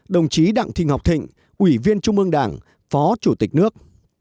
hai mươi bốn đồng chí đặng thịnh học thịnh ủy viên trung ương đảng phó chủ tịch nước